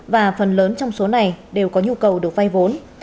và phần lớn trong số này đều có nhu cầu được vay vốn